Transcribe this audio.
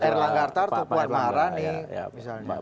r langgatar toko armahara nih